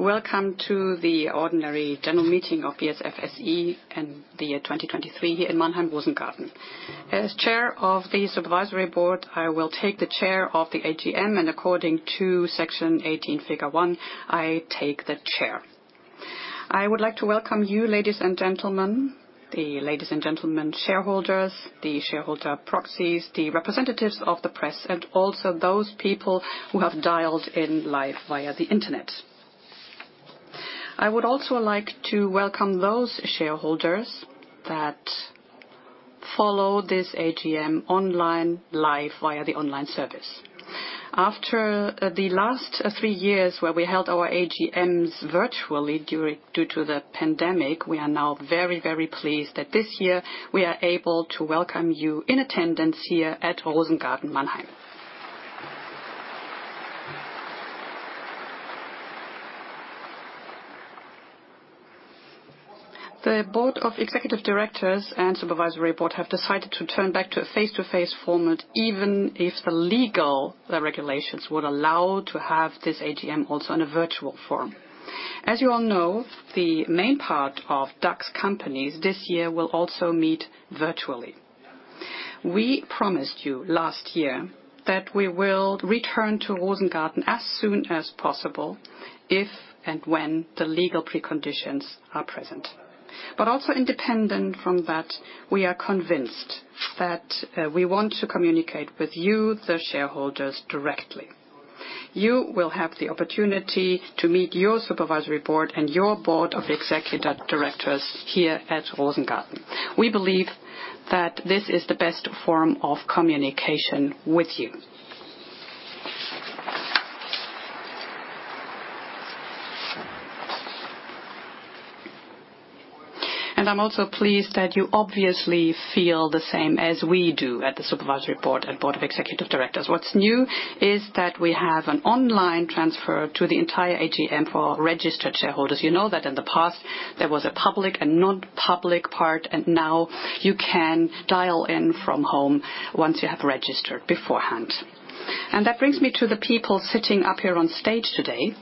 Welcome to the ordinary General Meeting of BASF SE in the year 2023 here in Mannheim, Rosengarten. As Chair of the Supervisory Board, I will take the Chair of the AGM. According to Section 18, Figure 1, I take the Chair. I would like to welcome you, ladies and gentlemen, the ladies and gentlemen shareholders, the shareholder proxies, the representatives of the press, and also those people who have dialed in live via the Internet. I would also like to welcome those shareholders that follow this AGM online live via the online service. After the last three years, where we held our AGMs virtually due to the pandemic, we are now very pleased that this year we are able to welcome you in attendance here at Rosengarten, Mannheim. The Board of Executive Directors and Supervisory Board have decided to turn back to a face-to-face format, even if the legal regulations would allow to have this AGM also in a virtual form. As you all know, the main part of DAX companies this year will also meet virtually. We promised you last year that we will return to Rosengarten as soon as possible, if and when the legal preconditions are present. Also independent from that, we are convinced that we want to communicate with you, the shareholders, directly. You will have the opportunity to meet your Supervisory Board and your Board of Executive Directors here at Rosengarten. We believe that this is the best form of communication with you. I'm also pleased that you obviously feel the same as we do at the Supervisory Board and Board of Executive Directors. What's new is that we have an online transfer to the entire AGM for registered shareholders. You know that in the past, there was a public and non-public part. Now you can dial in from home once you have registered beforehand. That brings me to the people sitting up here on stage today.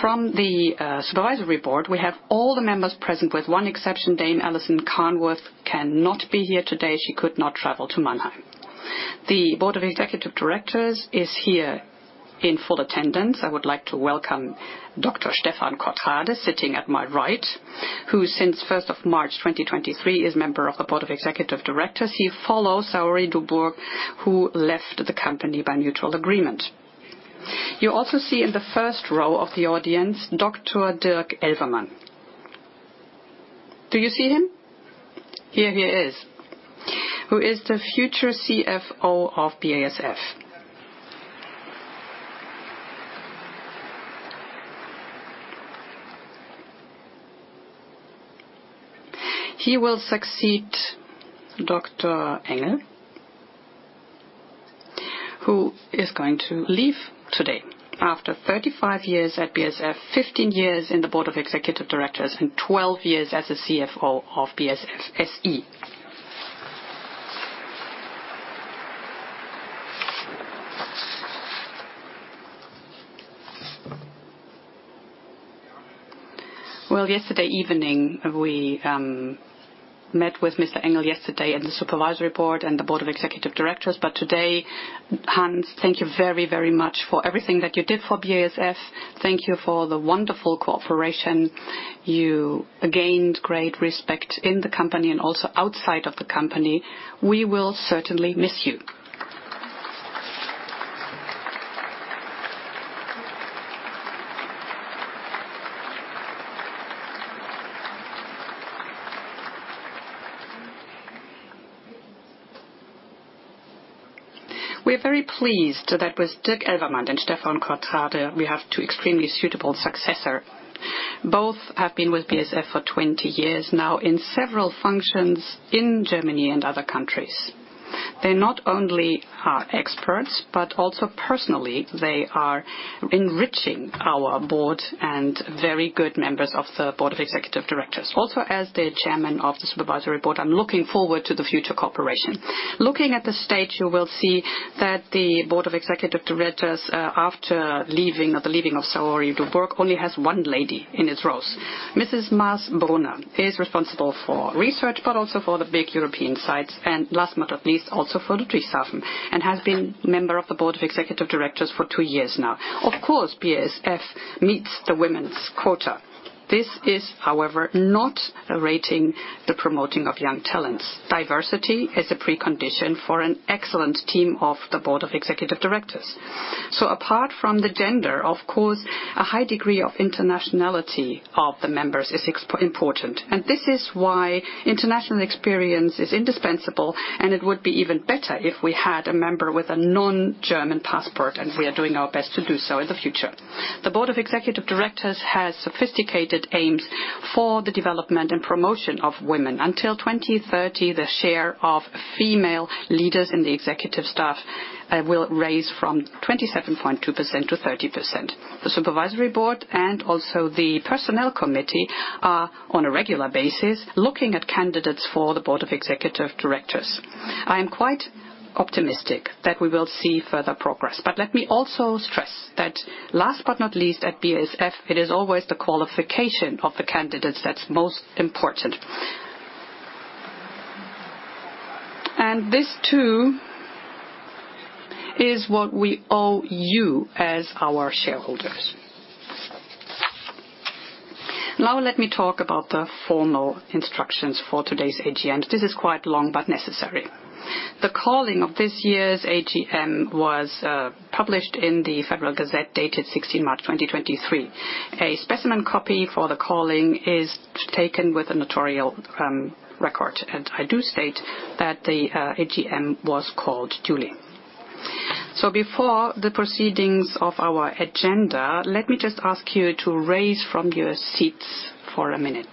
From the Supervisory Board, we have all the members present, with one exception. Dame Alison Carnwath cannot be here today. She could not travel to Mannheim. The Board of Executive Directors is here in full attendance. I would like to welcome Dr. Stephan Kothrade, sitting at my right, who since 1st of March 2023, is member of the Board of Executive Directors. He follows Saori Dubourg, who left the company by mutual agreement. You also see in the first row of the audience, Dr. Dirk Elvermann. Do you see him? Here he is, who is the future CFO of BASF. He will succeed Dr. Engel, who is going to leave today after 35 years at BASF, 15 years in the Board of Executive Directors, and 12 years as the CFO of BASF SE. Well, yesterday evening, we met with Mr. Engel yesterday, and the Supervisory Board and the Board of Executive Directors. Today, Hans, thank you very, very much for everything that you did for BASF. Thank you for the wonderful cooperation. You gained great respect in the company and also outside of the company. We will certainly miss you. We're very pleased that with Dirk Elvermann and Stephan Kothrade, we have two extremely suitable successor. Both have been with BASF for 20 years now in several functions in Germany and other countries. They not only are experts, but also personally, they are enriching our board and very good members of the Board of Executive Directors. Also, as the Chairman of the Supervisory Board, I'm looking forward to the future cooperation. Looking at the stage, you will see that the Board of Executive Directors, the leaving of Saori Dubourg, only has one lady in its rows. Mrs. Maas-Brunner is responsible for research, but also for the big European sites, and last but not least, also for Ludwigshafen, and has been member of the Board of Executive Directors for two years now. Of course, BASF meets the women's quota. However, this is not rating the promoting of young talents. Diversity is a precondition for an excellent team of the Board of Executive Directors. Apart from the gender, of course, a high degree of internationality of the members is important. This is why international experience is indispensable, and it would be even better if we had a member with a non-German passport, and we are doing our best to do so in the future. The Board of Executive Directors has sophisticated aims for the development and promotion of women. Until 2030, the share of female leaders in the executive staff will raise from 27.2% to 30%. The Supervisory Board and also the Personnel Committee are on a regular basis looking at candidates for the Board of Executive Directors. I am quite optimistic that we will see further progress. Let me also stress that last but not least at BASF, it is always the qualification of the candidates that's most important. This too is what we owe you as our shareholders. Now let me talk about the formal instructions for today's AGM. This is quite long but necessary. The calling of this year's AGM was published in the Federal Gazette dated 16 March 2023. A specimen copy for the calling is taken with a notarial record, and I do state that the AGM was called duly. Before the proceedings of our agenda, let me just ask you to rise from your seats for a minute.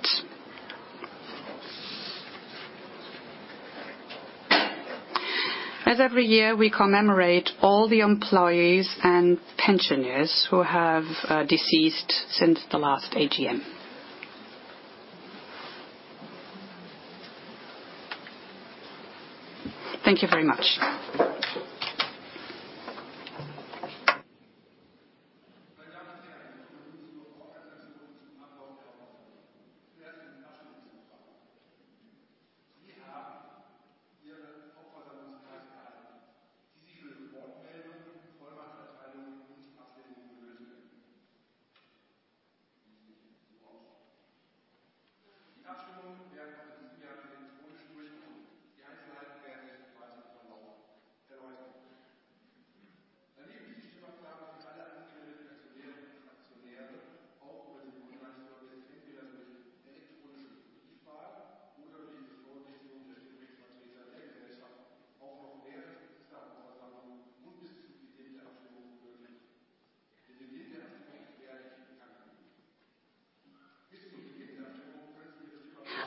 As every year, we commemorate all the employees and pensioners who have deceased since the last AGM. Thank you very much.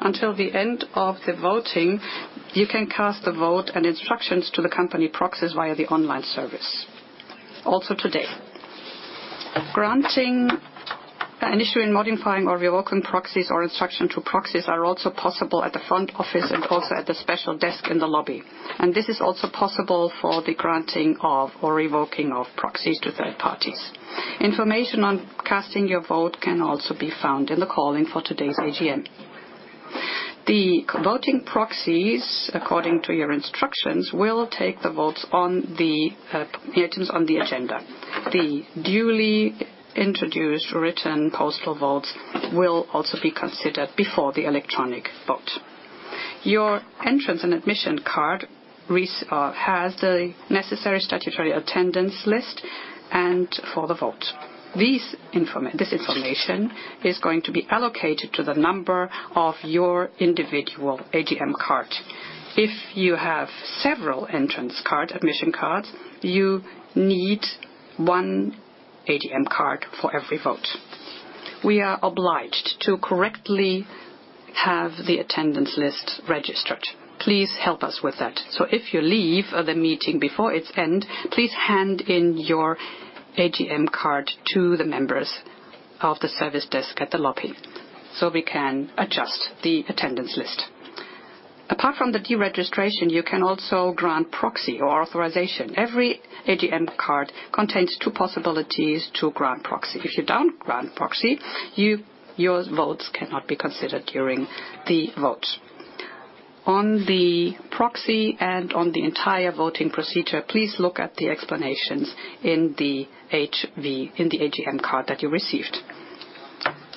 Until the end of the voting, you can cast a vote and instructions to the company proxies via the online service, also today. Granting an issue in modifying or revoking proxies or instruction to proxies are also possible at the front office. Also at the special desk in the lobby, this is also possible for the granting of or revoking of proxies to third parties. Information on casting your vote can also be found in the calling for today's AGM. The voting proxies, according to your instructions, will take the votes on the items on the agenda. The duly introduced written postal votes will also be considered before the electronic vote. Your entrance and admission card has the necessary statutory attendance list and for the vote. This information is going to be allocated to the number of your individual AGM card. If you have several entrance card, admission cards, you need one AGM card for every vote. We are obliged to correctly have the attendance list registered. Please help us with that. If you leave the meeting before its end, please hand in your AGM card to the members of the service desk at the lobby, so we can adjust the attendance list. Apart from the deregistrations, you can also grant proxy or authorization. Every AGM card contains two possibilities to grant proxy. If you don't grant proxy, your votes cannot be considered during the vote. On the proxy and on the entire voting procedure, please look at the explanations in the AGM card that you received.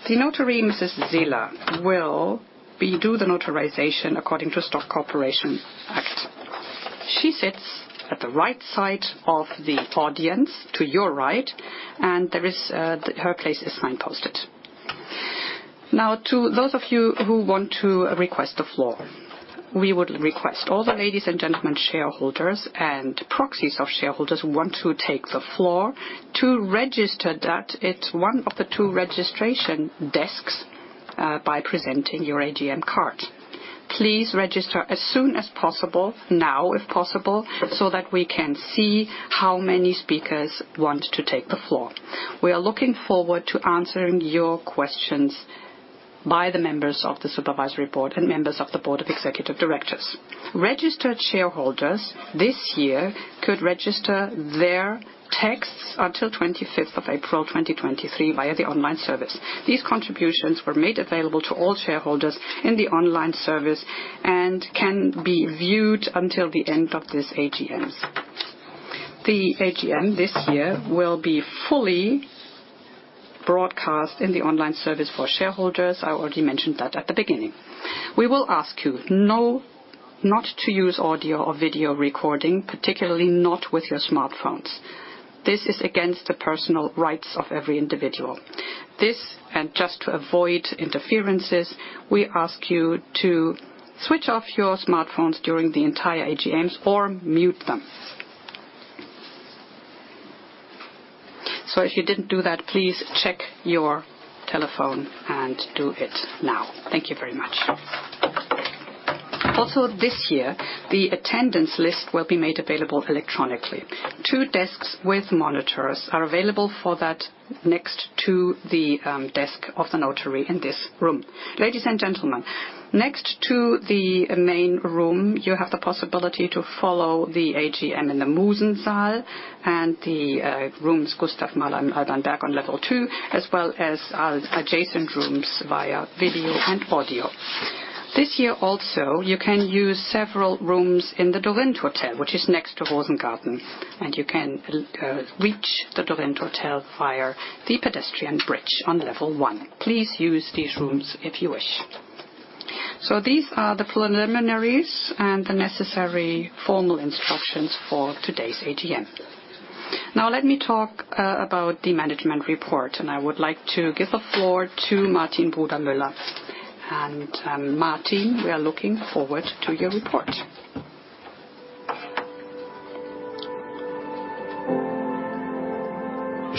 The notary, Mrs. Seeler, will do the notarization according to Stock Corporation Act. She sits at the right side of the audience to your right, and there is her place is signposted. Now to those of you who want to request the floor, we would request all the ladies and gentlemen, shareholders, and proxies of shareholders who want to take the floor to register that at one of the two registration desks by presenting your AGM card. Please register as soon as possible, now, if possible, so that we can see how many speakers want to take the floor. We are looking forward to answering your questions by the members of the Supervisory Board and members of the Board of Executive Directors. Registered shareholders this year could register their texts until 25th of April, 2023 via the online service. These contributions were made available to all shareholders in the online service and can be viewed until the end of this AGM. The AGM this year will be fully broadcast in the online service for shareholders. I already mentioned that at the beginning. We will ask you not to use audio or video recording, particularly not with your smartphones. This is against the personal rights of every individual. This, just to avoid interferences, we ask you to switch off your smartphones during the entire AGM or mute them. If you didn't do that, please check your telephone and do it now. Thank you very much. Also this year, the attendance list will be made available electronically. Two desks with monitors are available for that next to the desk of the notary in this room. Ladies and gentlemen, next to the main room, you have the possibility to follow the AGM in the Musensaal and the rooms Gustav Mahler and Alban Berg on Level 2, as well as adjacent rooms via video and audio. This year also, you can use several rooms in the Dorint Hotel, which is next to Rosengarten, and you can reach the Dorint Hotel via the pedestrian bridge on Level 1. Please use these rooms if you wish. These are the preliminaries and the necessary formal instructions for today's AGM. Let me talk about the management report, and I would like to give the floor to Martin Brudermüller. Martin, we are looking forward to your report.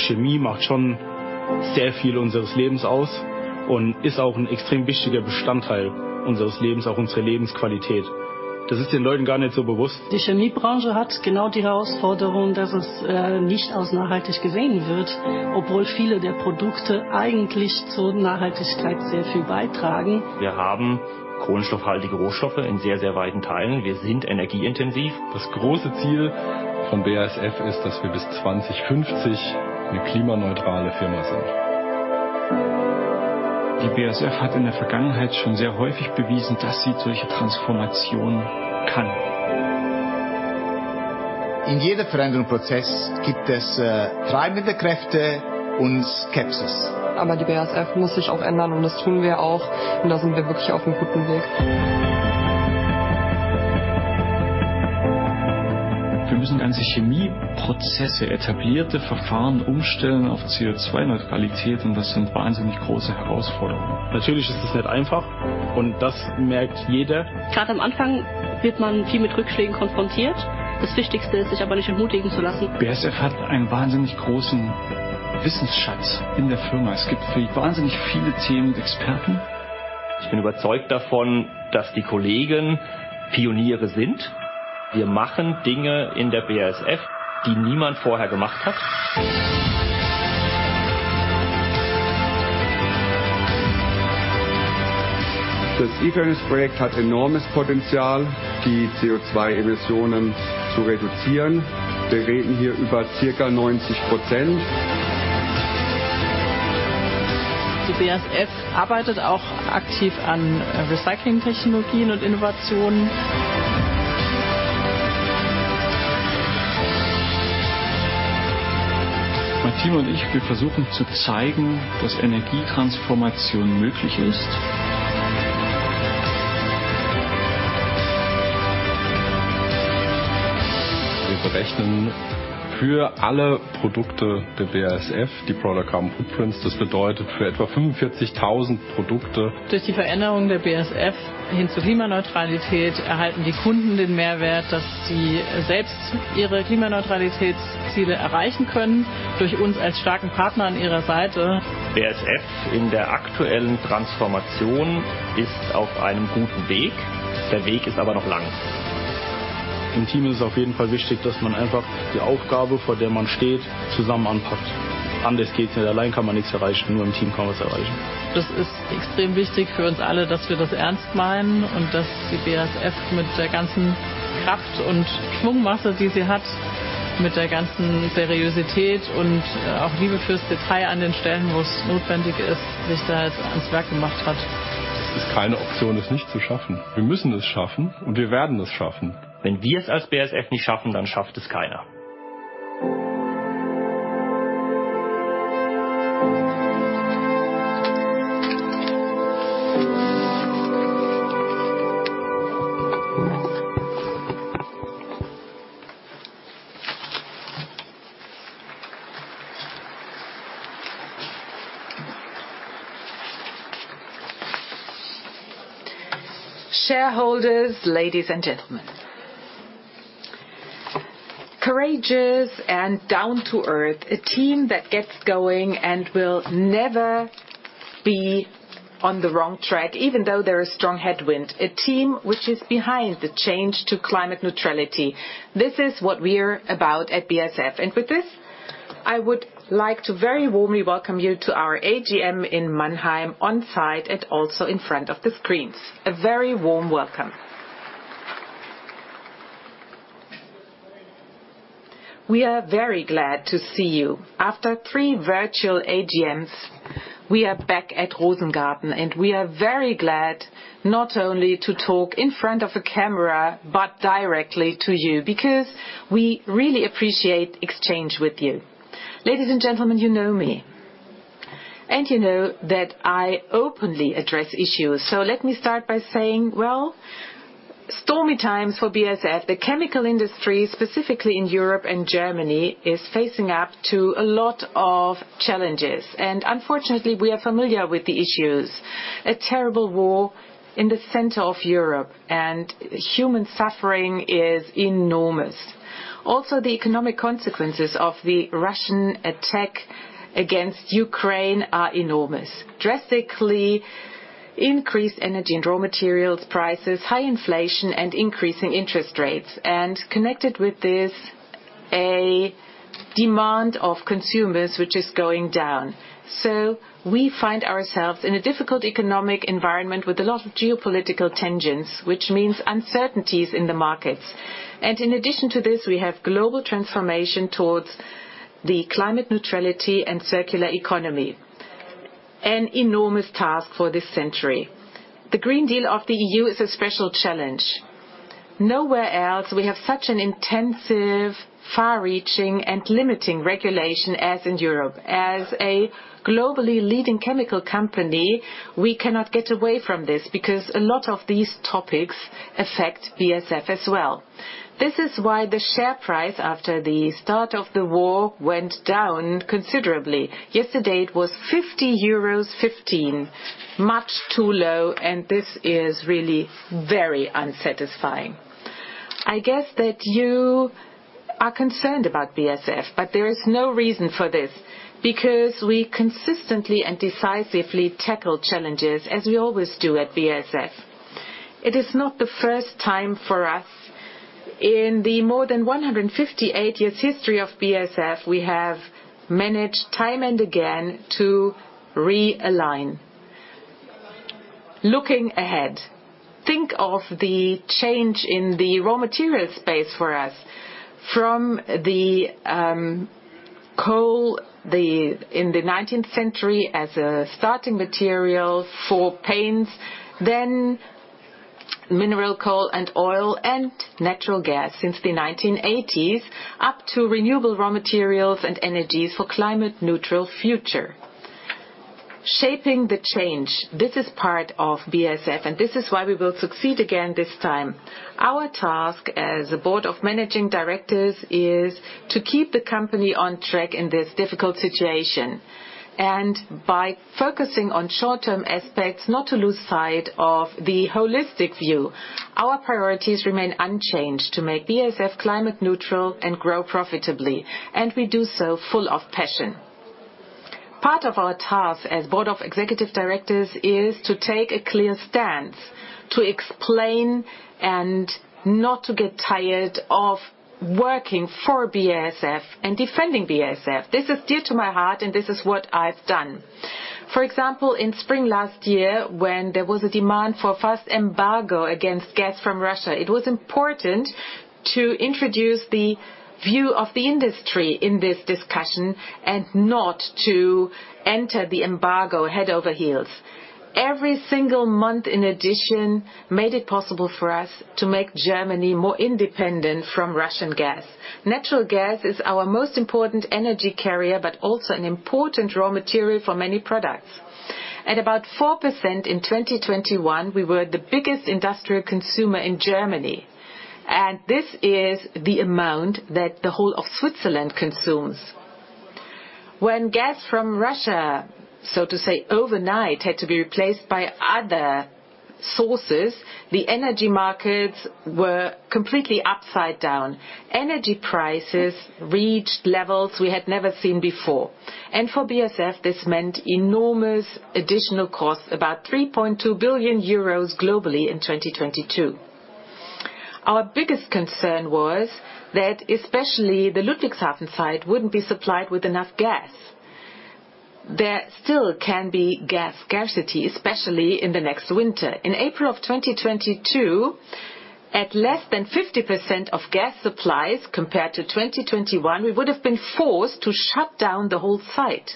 Chemie macht schon sehr viel unseres Lebens aus und ist auch ein extrem wichtiger Bestandteil unseres Lebens, auch unserer Lebensqualität. Das ist den Leuten gar nicht so bewusst. Die Chemiebranche hat genau die Herausforderung, dass es nicht als nachhaltig gesehen wird, obwohl viele der Produkte eigentlich zur Nachhaltigkeit sehr viel beitragen. Wir haben kohlenstoffhaltige Rohstoffe in sehr weiten Teilen. Wir sind energieintensiv. Das große Ziel von BASF ist, dass wir bis 2050 eine klimaneutrale Firma sind. Die BASF hat in der Vergangenheit schon sehr häufig bewiesen, dass sie solche Transformationen kann. In jedem Veränderungsprozess gibt es treibende Kräfte und Skepsis. Die BASF muss sich auch ändern und das tun wir auch und da sind wir wirklich auf einem guten Weg. Wir müssen ganze Chemieprozesse, etablierte Verfahren umstellen auf CO2-Neutralität und das sind wahnsinnig große Herausforderungen. Natürlich ist das nicht einfach und das merkt jeder. Grad am Anfang wird man viel mit Rückschlägen konfrontiert. Das Wichtigste ist, sich aber nicht entmutigen zu lassen. BASF hat einen wahnsinnig großen Wissensschatz in der Firma. Es gibt für wahnsinnig viele Themen Experten. Ich bin überzeugt davon, dass die Kollegen Pioniere sind. Wir machen Dinge in der BASF, die niemand vorher gemacht hat. Das e-furnace-Projekt hat enormes Potenzial, die CO₂-Emissionen zu reduzieren. Wir reden hier über circa 90%. Die BASF arbeitet auch aktiv an Recyclingtechnologien und Innovationen. Martin und ich, wir versuchen zu zeigen, dass Energietransformation möglich ist. Wir berechnen für alle Produkte der BASF die Product Carbon Footprints. Das bedeutet für etwa 45,000 Produkte. Durch die Veränderung der BASF hin zu Klimaneutralität erhalten die Kunden den Mehrwert, dass sie selbst ihre Klimaneutralitätsziele erreichen können, durch uns als starken Partner an ihrer Seite. BASF in der aktuellen Transformation ist auf einem guten Weg. Der Weg ist aber noch lang. Im Team ist es auf jeden Fall wichtig, dass man einfach die Aufgabe, vor der man steht, zusammen anpackt. Anders geht's nicht. Allein kann man nichts erreichen. Nur im Team kann man was erreichen. Das ist extrem wichtig für uns alle, dass wir das ernst meinen und dass die BASF mit der ganzen Kraft und Schwungmasse, die sie hat, mit der ganzen Seriosität und auch Liebe fürs Detail an den Stellen, wo es notwendig ist, sich da ans Werk gemacht hat. Es ist keine Option, es nicht zu schaffen. Wir müssen es schaffen und wir werden es schaffen. Wenn wir es als BASF nicht schaffen, dann schafft es keiner. Shareholders, ladies and gentlemen. Courageous and down-to-earth, a team that gets going and will never be on the wrong track, even though there is strong headwind. A team which is behind the change to climate neutrality. This is what we're about at BASF. With this, I would like to very warmly welcome you to our AGM in Mannheim on-site and also in front of the screens. A very warm welcome. We are very glad to see you. After three virtual AGMs, we are back at Rosengarten. We are very glad not only to talk in front of a camera, but directly to you, because we really appreciate exchange with you. Ladies and gentlemen, you know me. You know that I openly address issues. Let me start by saying, well, stormy times for BASF. The chemical industry, specifically in Europe and Germany, is facing up to a lot of challenges. Unfortunately, we are familiar with the issues. A terrible war in the center of Europe and human suffering is enormous. The economic consequences of the Russian attack against Ukraine are enormous. Drastically increased energy and raw materials prices, high inflation and increasing interest rates, and connected with this, a demand of consumers, which is going down. We find ourselves in a difficult economic environment with a lot of geopolitical tensions, which means uncertainties in the markets. In addition to this, we have global transformation towards the climate neutrality and circular economy, an enormous task for this century. The Green Deal of the E.U. is a special challenge. Nowhere else we have such an intensive, far-reaching, and limiting regulation as in Europe. As a globally leading chemical company, we cannot get away from this because a lot of these topics affect BASF as well. This is why the share price after the start of the war went down considerably. Yesterday, it was 50.15 euros, much too low, and this is really very unsatisfying. I guess that you are concerned about BASF, but there is no reason for this, because we consistently and decisively tackle challenges as we always do at BASF. It is not the first time for us. In the more than 158 years history of BASF, we have managed time and again to realign. Looking ahead, think of the change in the raw material space for us. From the coal in the 19th century as a starting material for paints, then mineral coal and oil and natural gas since the 1980s, up to renewable raw materials and energies for climate neutral future. Shaping the change, this is part of BASF. This is why we will succeed again this time. Our task as a Board of Executive Directors is to keep the company on track in this difficult situation, and by focusing on short-term aspects, not to lose sight of the holistic view. Our priorities remain unchanged to make BASF climate neutral and grow profitably, and we do so full of passion. Part of our task as Board of Executive Directors is to take a clear stance to explain and not to get tired of working for BASF and defending BASF. This is dear to my heart, and this is what I've done. For example, in spring last year, when there was a demand for first embargo against gas from Russia, it was important to introduce the view of the industry in this discussion and not to enter the embargo head over heels. Every single month, in addition, made it possible for us to make Germany more independent from Russian gas. Natural gas is our most important energy carrier, but also an important raw material for many products. At about 4% in 2021, we were the biggest industrial consumer in Germany, and this is the amount that the whole of Switzerland consumes. When gas from Russia, so to say, overnight, had to be replaced by other sources, the energy markets were completely upside down. Energy prices reached levels we had never seen before. For BASF, this meant enormous additional costs, about 3.2 billion euros globally in 2022. Our biggest concern was that especially the Ludwigshafen site wouldn't be supplied with enough gas. There still can be gas scarcity, especially in the next winter. In April of 2022, at less than 50% of gas supplies compared to 2021, we would have been forced to shut down the whole site.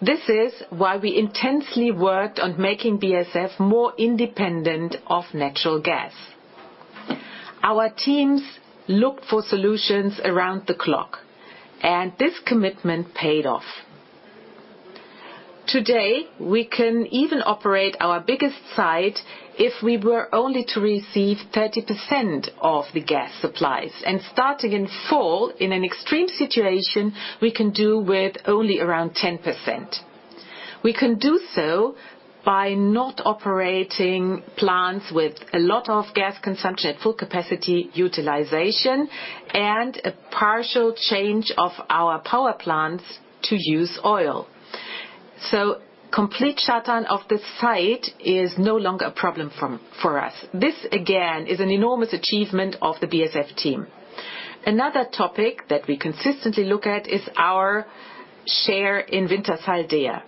This is why we intensely worked on making BASF more independent of natural gas. Our teams looked for solutions around the clock, and this commitment paid off. Today, we can even operate our biggest site if we were only to receive 30% of the gas supplies. Starting in fall, in an extreme situation, we can do with only around 10%. We can do so by not operating plants with a lot of gas consumption at full capacity utilization and a partial change of our power plants to use oil. Complete shutdown of the site is no longer a problem for us. This, again, is an enormous achievement of the BASF team. Another topic that we consistently look at is our share in Wintershall Dea.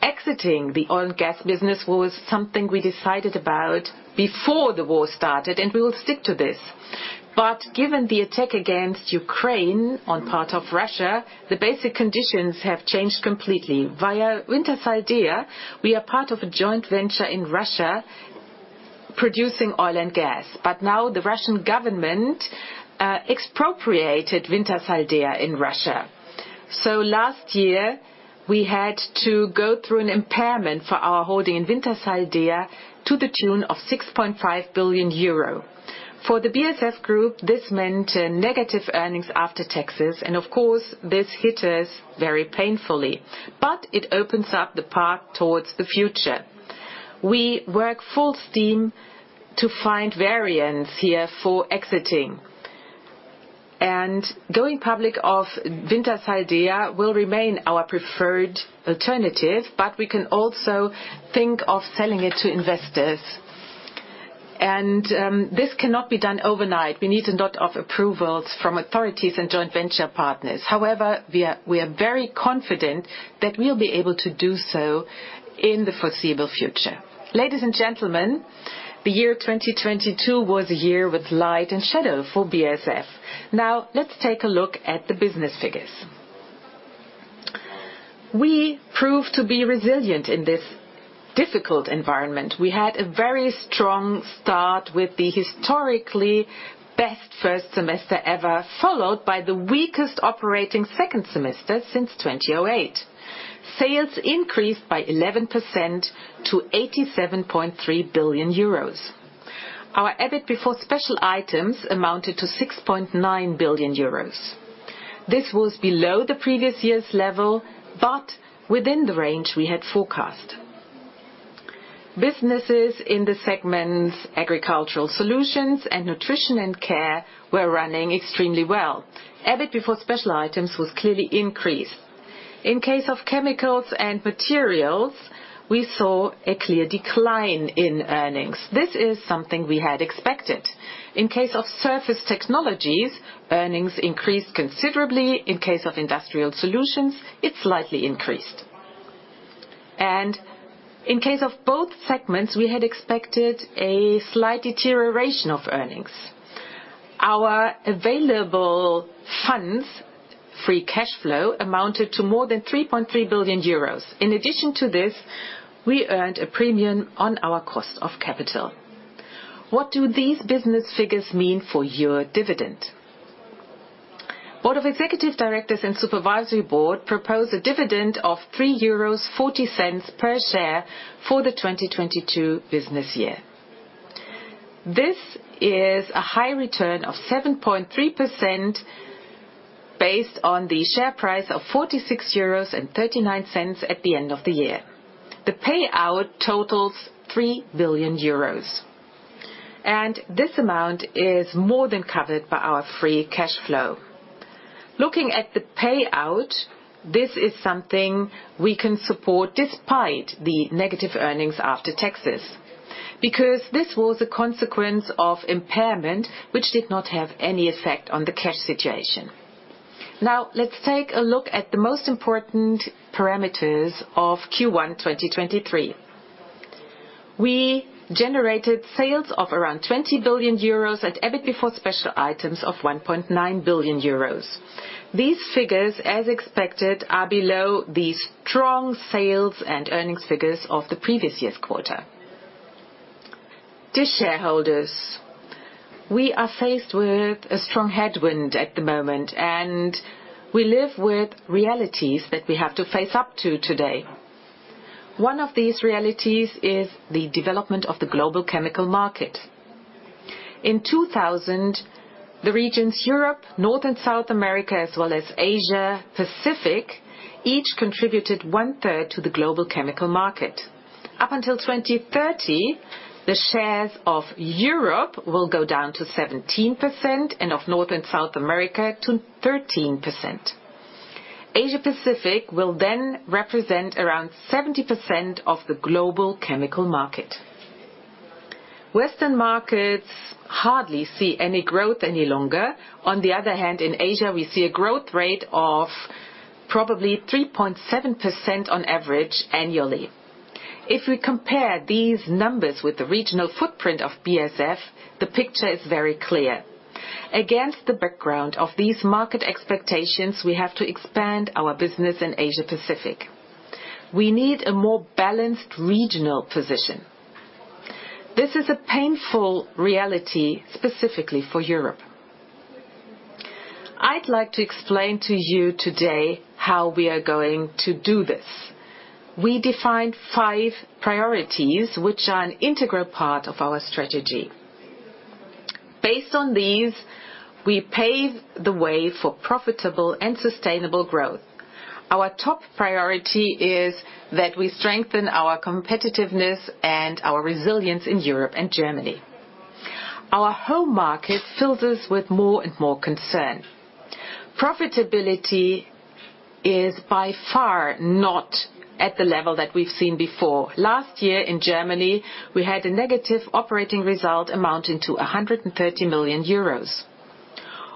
Exiting the oil and gas business was something we decided about before the war started, and we will stick to this. Given the attack against Ukraine on part of Russia, the basic conditions have changed completely. Via Wintershall Dea, we are part of a joint venture in Russia producing oil and gas, but now the Russian government expropriated Wintershall Dea in Russia. Last year, we had to go through an impairment for our holding in Wintershall Dea to the tune of 6.5 billion euro. For the BASF Group, this meant negative earnings after taxes, and of course, this hit us very painfully, but it opens up the path towards the future. We work full steam to find variants here for exiting. Going public of Wintershall Dea will remain our preferred alternative, but we can also think of selling it to investors. This cannot be done overnight. We need a lot of approvals from authorities and joint venture partners. However, we are very confident that we'll be able to do so in the foreseeable future. Ladies and gentlemen. The year 2022 was a year with light and shadow for BASF. Now let's take a look at the business figures. We proved to be resilient in this difficult environment. We had a very strong start with the historically best first semester ever, followed by the weakest operating second semester since 2008. Sales increased by 11% to 87.3 billion euros. Our EBIT before special items amounted to 6.9 billion euros. This was below the previous year's level, but within the range we had forecast. Businesses in the segments Agricultural Solutions and Nutrition & Care were running extremely well. EBIT before special items was clearly increased. In case of Chemicals and Materials, we saw a clear decline in earnings. This is something we had expected. In case of Surface Technologies, earnings increased considerably. In case of Industrial Solutions, it slightly increased. In case of both segments, we had expected a slight deterioration of earnings. Our available funds, free cash flow, amounted to more than 3.3 billion euros. In addition to this, we earned a premium on our cost of capital. What do these business figures mean for your dividend? Board of Executive Directors and Supervisory Board propose a dividend of 3.40 euros per share for the 2022 business year. This is a high return of 7.3% based on the share price of 46.39 euros at the end of the year. The payout totals 3 billion euros. This amount is more than covered by our free cash flow. Looking at the payout, this is something we can support despite the negative earnings after taxes. This was a consequence of impairment which did not have any effect on the cash situation. Let's take a look at the most important parameters of Q1 2023. We generated sales of around 20 billion euros and EBIT before special items of 1.9 billion euros. These figures, as expected, are below the strong sales and earnings figures of the previous year's quarter. Dear shareholders, we are faced with a strong headwind at the moment, we live with realities that we have to face up to today. One of these realities is the development of the global chemical market. In 2000, the regions Europe, North and South America, as well as Asia Pacific, each contributed 1/3 to the global chemical market. Up until 2030, the shares of Europe will go down to 17% and of North and South America to 13%. Asia Pacific will then represent around 70% of the global chemical market. Western markets hardly see any growth any longer. On the other hand, in Asia, we see a growth rate of probably 3.7% on average annually. If we compare these numbers with the regional footprint of BASF, the picture is very clear. Against the background of these market expectations, we have to expand our business in Asia Pacific. We need a more balanced regional position. This is a painful reality, specifically for Europe. I'd like to explain to you today how we are going to do this. We defined five priorities which are an integral part of our strategy. Based on these, we pave the way for profitable and sustainable growth. Our top priority is that we strengthen our competitiveness and our resilience in Europe and Germany. Our home market fills us with more and more concern. Profitability is by far not at the level that we've seen before. Last year in Germany, we had a negative operating result amounting to 130 million euros.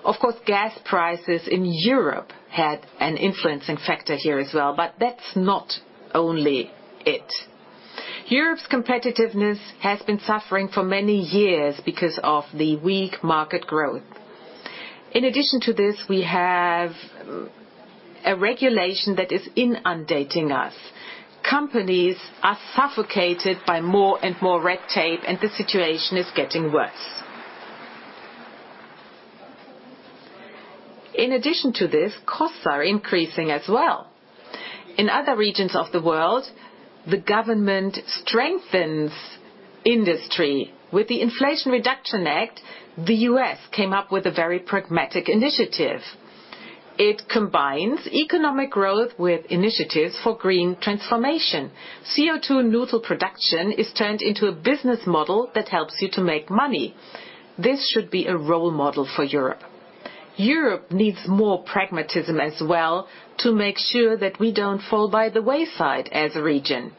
Of course, gas prices in Europe had an influencing factor here as well, but that's not only it. Europe's competitiveness has been suffering for many years because of the weak market growth. In addition to this, we have a regulation that is inundating us. Companies are suffocated by more and more red tape, and the situation is getting worse. In addition to this, costs are increasing as well. In other regions of the world, the government strengthens industry. With the Inflation Reduction Act, the U.S. came up with a very pragmatic initiative. It combines economic growth with initiatives for green transformation. CO2-neutral production is turned into a business model that helps you to make money. This should be a role model for Europe. Europe needs more pragmatism as well to make sure that we don't fall by the wayside as a region.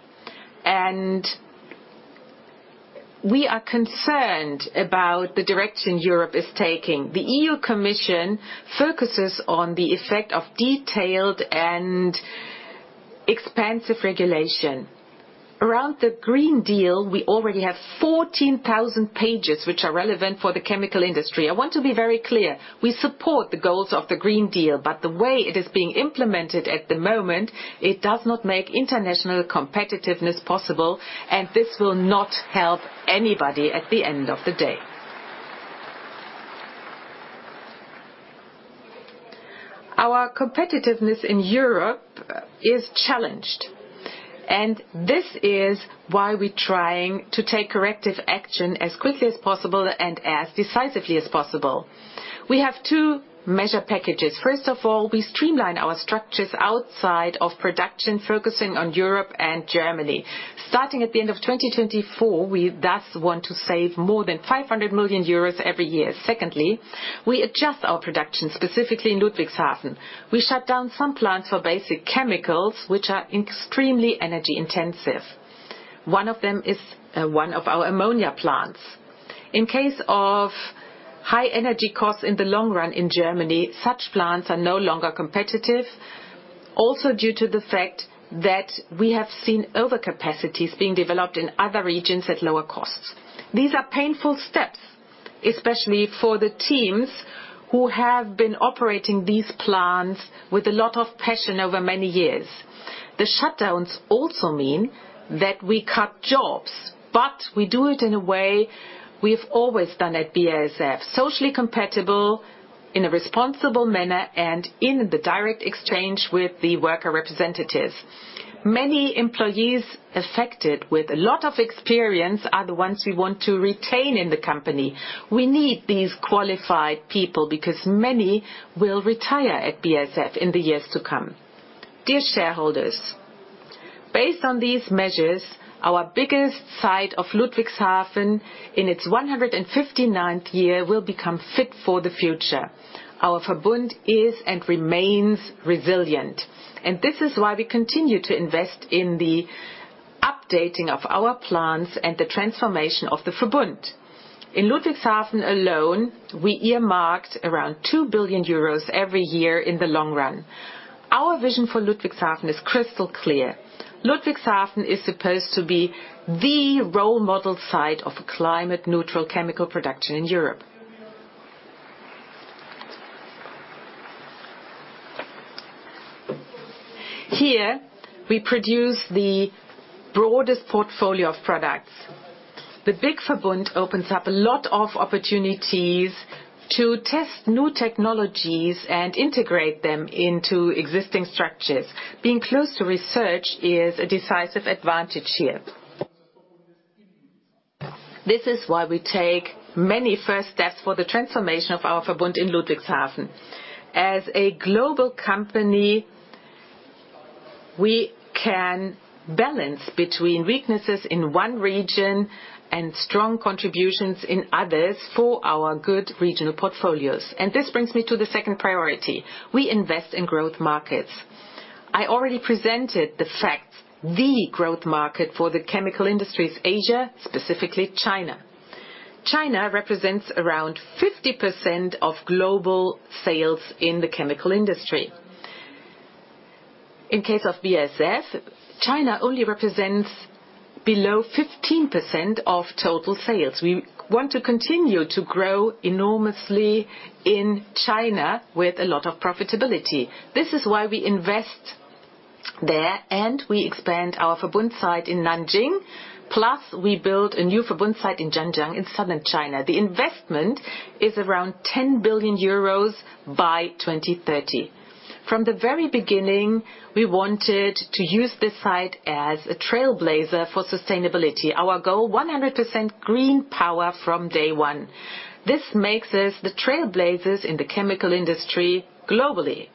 We are concerned about the direction Europe is taking. The E.U. Commission focuses on the effect of detailed and expansive regulation. Around the European Green Deal, we already have 14,000 pages which are relevant for the chemical industry. I want to be very clear, we support the goals of the Green Deal, but the way it is being implemented at the moment, it does not make international competitiveness possible, and this will not help anybody at the end of the day. Our competitiveness in Europe is challenged, and this is why we're trying to take corrective action as quickly as possible and as decisively as possible. We have two measure packages. First of all, we streamline our structures outside of production, focusing on Europe and Germany. Starting at the end of 2024, we thus want to save more than 500 million euros every year. Secondly, we adjust our production, specifically in Ludwigshafen. We shut down some plants for basic chemicals which are extremely energy-intensive. One of them is one of our ammonia plants. In case of high energy costs in the long run in Germany, such plants are no longer competitive, also due to the fact that we have seen over capacities being developed in other regions at lower costs. These are painful steps, especially for the teams who have been operating these plants with a lot of passion over many years. The shutdowns also mean that we cut jobs, but we do it in a way we have always done at BASF, socially compatible in a responsible manner and in the direct exchange with the worker representatives. Many employees affected with a lot of experience are the ones we want to retain in the company. We need these qualified people because many will retire at BASF in the years to come. Dear shareholders, based on these measures, our biggest site of Ludwigshafen in its 159th year will become fit for the future. Our Verbund is and remains resilient, and this is why we continue to invest in the updating of our plants and the transformation of the Verbund. In Ludwigshafen alone, we earmarked around 2 billion euros every year in the long run. Our vision for Ludwigshafen is crystal clear. Ludwigshafen is supposed to be the role model site of climate-neutral chemical production in Europe. Here we produce the broadest portfolio of products. The big Verbund opens up a lot of opportunities to test new technologies and integrate them into existing structures. Being close to research is a decisive advantage here. This is why we take many first steps for the transformation of our Verbund in Ludwigshafen. As a global company, we can balance between weaknesses in one region and strong contributions in others for our good regional portfolios. This brings me to the second priority. I already presented the facts. The growth market for the chemical industry is Asia, specifically China. China represents around 50% of global sales in the chemical industry. In case of BASF, China only represents below 15% of total sales. We want to continue to grow enormously in China with a lot of profitability. This is why we invest there, and we expand our Verbund site in Nanjing, plus we build a new Verbund site in Zhanjiang in southern China. The investment is around 10 billion euros by 2030. From the very beginning, we wanted to use this site as a trailblazer for sustainability. Our goal, 100% green power from day one. This makes us the trailblazers in the chemical industry globally.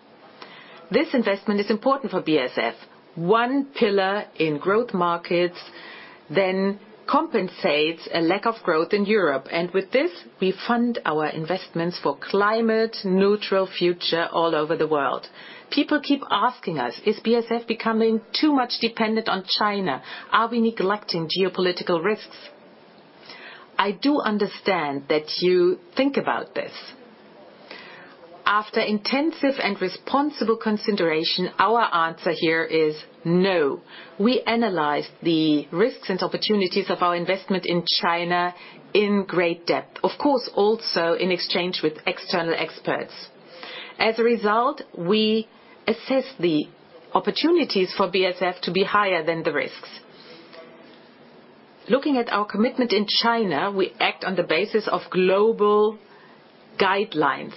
This investment is important for BASF. One pillar in growth markets compensates a lack of growth in Europe. With this, we fund our investments for climate neutral future all over the world. People keep asking us, "Is BASF becoming too much dependent on China? Are we neglecting geopolitical risks?" I do understand that you think about this. After intensive and responsible consideration, our answer here is no. We analyze the risks and opportunities of our investment in China in great depth, of course, also in exchange with external experts. As a result, we assess the opportunities for BASF to be higher than the risks. Looking at our commitment in China, we act on the basis of global guidelines.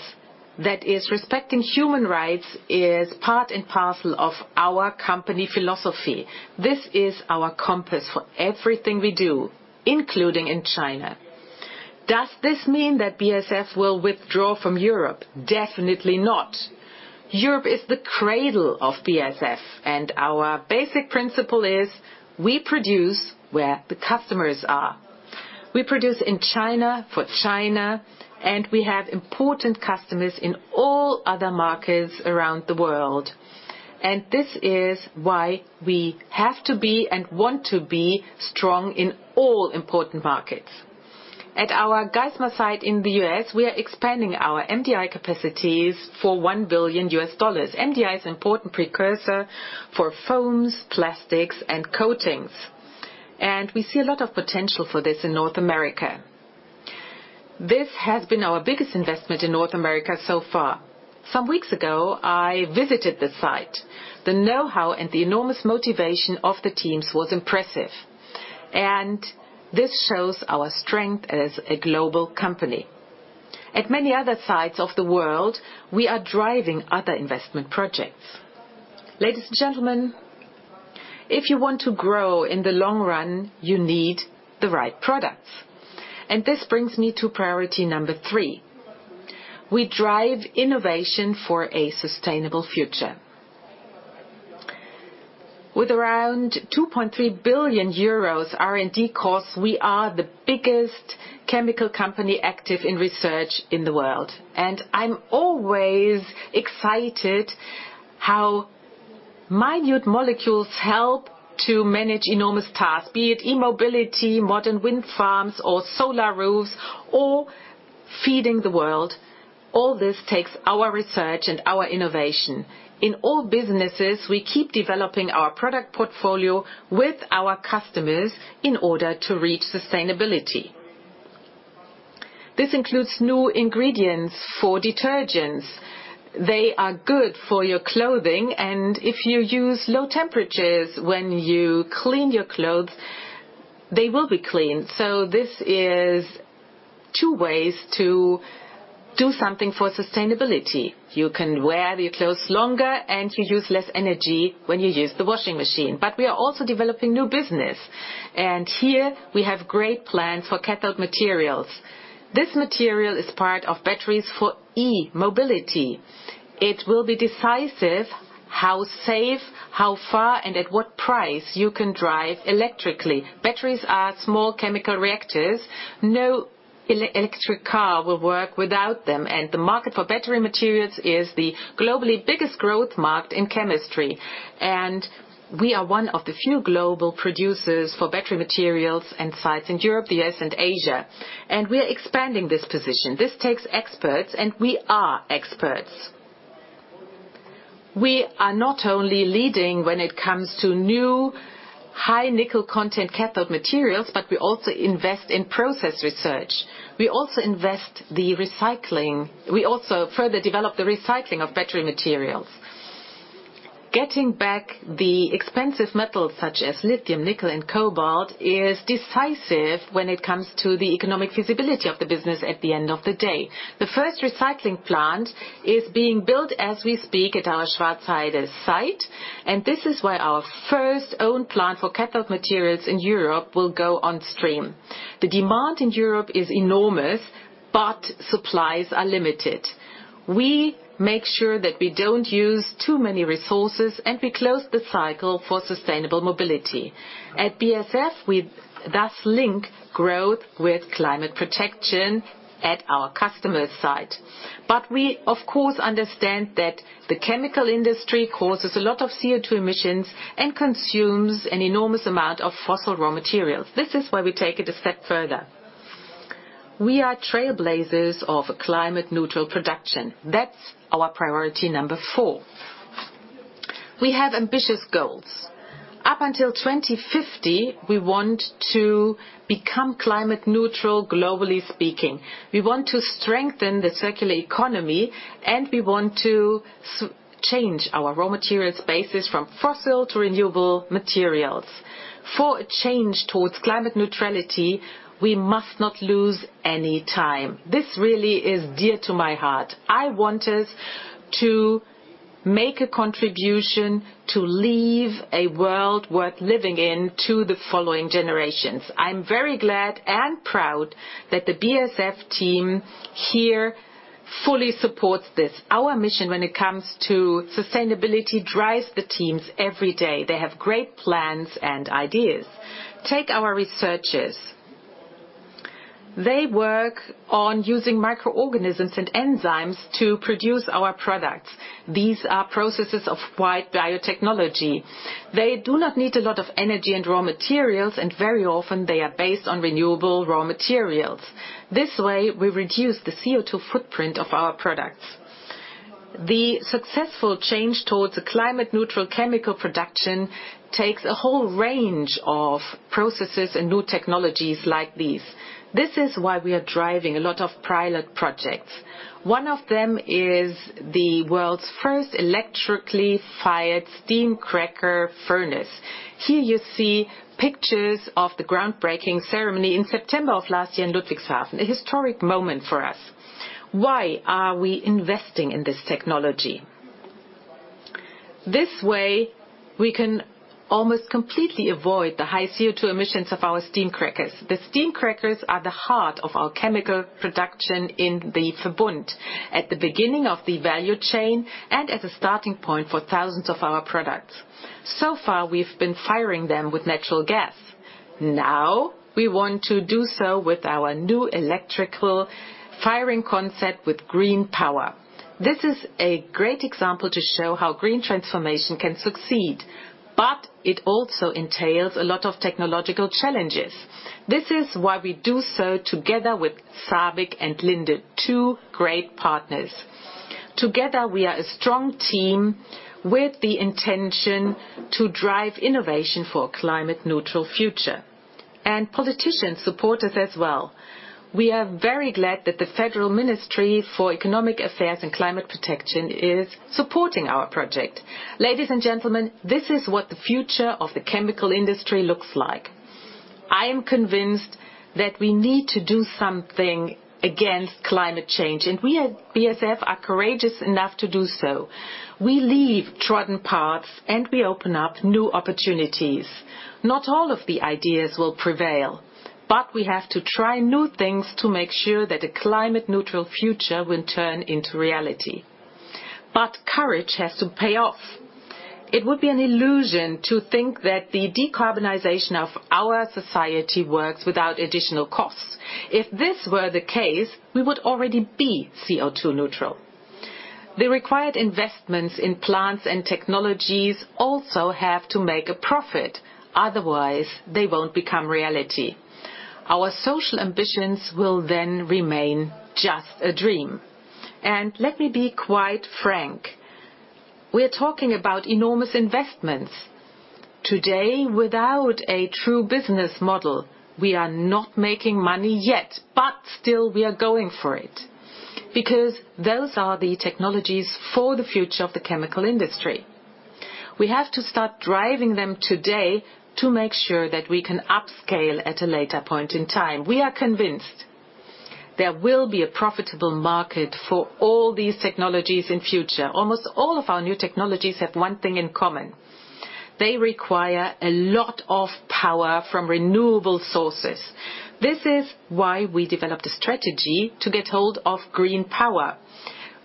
That is respecting human rights is part and parcel of our company philosophy. This is our compass for everything we do, including in China. Does this mean that BASF will withdraw from Europe? Definitely not. Europe is the cradle of BASF, and our basic principle is we produce where the customers are. We produce in China for China, and we have important customers in all other markets around the world. This is why we have to be and want to be strong in all important markets. At our Geismar site in the U.S., we are expanding our MDI capacities for $1 billion. MDI is important precursor for foams, plastics, and coatings. We see a lot of potential for this in North America. This has been our biggest investment in North America so far. Some weeks ago, I visited the site. The know-how and the enormous motivation of the teams was impressive. This shows our strength as a global company. At many other sites of the world, we are driving other investment projects. Ladies and gentlemen, if you want to grow in the long run, you need the right products, and this brings me to priority number three. We drive innovation for a sustainable future. With around 2.3 billion euros R&D costs, we are the biggest chemical company active in research in the world. I'm always excited how minute molecules help to manage enormous tasks, be it e-mobility, modern wind farms, or solar roofs, or feeding the world. All this takes our research and our innovation. In all businesses, we keep developing our product portfolio with our customers in order to reach sustainability. This includes new ingredients for detergents. They are good for your clothing, and if you use low temperatures when you clean your clothes, they will be clean. This is two ways to do something for sustainability. You can wear your clothes longer, and you use less energy when you use the washing machine. We are also developing new business. Here we have great plans for cathode materials. This material is part of batteries for e-mobility. It will be decisive how safe, how far, and at what price you can drive electrically. Batteries are small chemical reactors. No electric car will work without them, and the market for battery materials is the globally biggest growth market in chemistry. We are one of the few global producers for battery materials and sites in Europe, the U.S., and Asia, and we're expanding this position. This takes experts, and we are experts. We are not only leading when it comes to new high nickel content cathode materials, but we also invest in process research. We also invest the recycling. We also further develop the recycling of battery materials. Getting back the expensive metals such as lithium, nickel, and cobalt is decisive when it comes to the economic feasibility of the business at the end of the day. The first recycling plant is being built as we speak at our Schwarzheide site, and this is where our first own plant for cathode materials in Europe will go on stream. The demand in Europe is enormous, but supplies are limited. We make sure that we don't use too many resources, and we close the cycle for sustainable mobility. At BASF, we thus link growth with climate protection at our customer site. We of course understand that the chemical industry causes a lot of CO2 emissions and consumes an enormous amount of fossil raw materials. This is why we take it a step further. We are trailblazers of a climate-neutral production. That's our priority number four. We have ambitious goals. Up until 2050, we want to become climate neutral globally speaking. We want to strengthen the circular economy, and we want to change our raw materials basis from fossil to renewable materials. For a change towards climate neutrality, we must not lose any time. This really is dear to my heart. I want us to make a contribution to leave a world worth living in to the following generations. I'm very glad and proud that the BASF team here fully supports this. Our mission when it comes to sustainability drives the teams every day. They have great plans and ideas. Take our researchers. They work on using microorganisms and enzymes to produce our products. These are processes of white biotechnology. They do not need a lot of energy and raw materials, and very often, they are based on renewable raw materials. This way, we reduce the CO2 footprint of our products. The successful change towards a climate-neutral chemical production takes a whole range of processes and new technologies like these. This is why we are driving a lot of pilot projects. One of them is the world's first electrically fired steam cracker furnace. Here you see pictures of the groundbreaking ceremony in September of last year in Ludwigshafen, a historic moment for us. Why are we investing in this technology? This way, we can almost completely avoid the high CO2 emissions of our steam crackers. The steam crackers are the heart of our chemical production in the Verbund at the beginning of the value chain and as a starting point for thousands of our products. So far, we've been firing them with natural gas. Now we want to do so with our new electrical firing concept with green power. This is a great example to show how green transformation can succeed, but it also entails a lot of technological challenges. This is why we do so together with SABIC and Linde, two great partners. Together, we are a strong team with the intention to drive innovation for a climate neutral future. Politicians support us as well. We are very glad that the Federal Ministry for Economic Affairs and Climate Action is supporting our project. Ladies and gentlemen, this is what the future of the chemical industry looks like. I am convinced that we need to do something against climate change, and we at BASF are courageous enough to do so. We leave trodden paths, and we open up new opportunities. Not all of the ideas will prevail, but we have to try new things to make sure that a climate neutral future will turn into reality. Courage has to pay off. It would be an illusion to think that the decarbonization of our society works without additional costs. If this were the case, we would already be CO2 neutral. The required investments in plants and technologies also have to make a profit, otherwise they won't become reality. Our social ambitions will then remain just a dream. Let me be quite frank. We're talking about enormous investments. Today, without a true business model, we are not making money yet, but still we are going for it because those are the technologies for the future of the chemical industry. We have to start driving them today to make sure that we can upscale at a later point in time. We are convinced there will be a profitable market for all these technologies in future. Almost all of our new technologies have one thing in common. They require a lot of power from renewable sources. This is why we developed a strategy to get hold of green power.